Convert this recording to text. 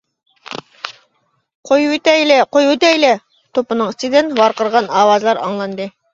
-قويۇۋېتەيلى، قويۇۋېتەيلى، -توپنىڭ ئىچىدىن ۋارقىرىغان ئاۋازلار ئاڭلاندى.